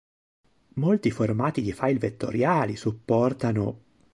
Molti formati di file vettoriali supportano...